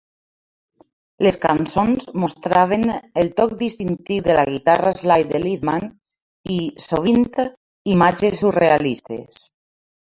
Les cançons mostraven el toc distintiu de la guitarra slide de Lithman i, sovint, imatges surrealistes.